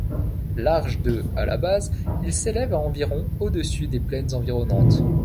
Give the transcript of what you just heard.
Large de à la base, il s'élève à environ au-dessus des plaines environnantes.